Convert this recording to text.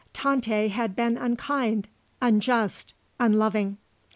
Tante had been unkind, unjust, unloving.